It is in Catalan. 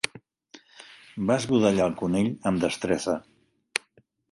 Va esbudellar el conill amb destresa.